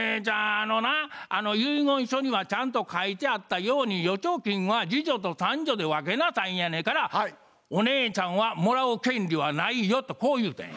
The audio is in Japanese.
あのな遺言書にはちゃんと書いてあったように『預貯金は次女と三女で分けなさい』やねんからお姉ちゃんはもらう権利はないよ」とこう言うてん。